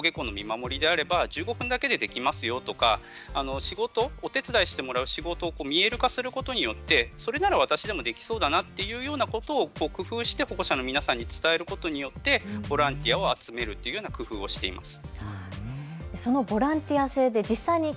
あとはボランティアを集めるにあたって例えば朝の登下校の見守りであれば１５分だけできますよとか、お手伝いしてもらう仕事を見える化することによってそれなら私でもできそうだなということを工夫して保護者の皆さんに伝えることによってボランティアを集めるというような工夫をしています。